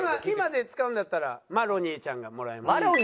今で使うんだったらマロニーちゃんがもらえます。